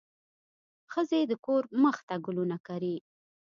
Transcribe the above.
ښځې د کور مخ ته ګلونه کري.